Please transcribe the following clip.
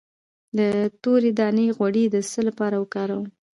د تورې دانې غوړي د څه لپاره وکاروم؟